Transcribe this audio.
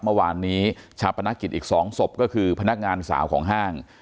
เมื่อวานนี้ชาปนกิจอีก๒ศพก็คือพนักงานสาวของห้าง